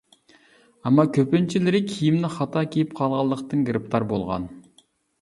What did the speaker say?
ئەمما كۆپىنچىلىرى كىيىمنى خاتا كىيىپ قالغانلىقتىن گىرىپتار بولغان.